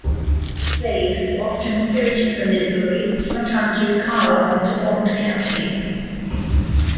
Slaves were often spirited from Missouri, sometimes through Carlyle to Bond County.